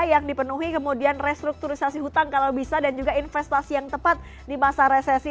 yang dipenuhi kemudian restrukturisasi hutang kalau bisa dan juga investasi yang tepat di masa resesi